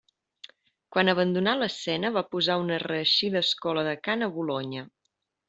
Quan abandonà l'escena va posar una reeixida escola de cant a Bolonya.